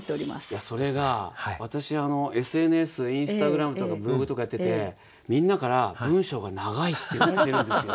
いやそれが私ＳＮＳインスタグラムとかブログとかやっててみんなから文章が長いって言われてるんですよ。